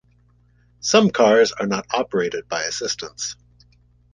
Some cars are not operated by assistants.